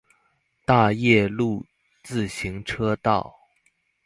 大業路自行車道